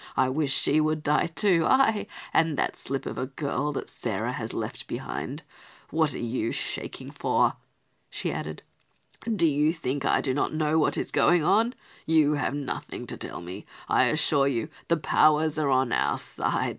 I wish she would die too; ay, and that slip of a girl that Sarah has left behind. What are you shaking for?" she added. "Do you think I do not know what is going on? You have nothing to tell me; I assure you the powers are on our side.